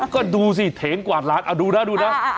ก็ดูสิเถงกวาดล้านดูนะ